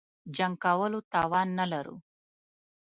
جنګ کولو توان نه لرو.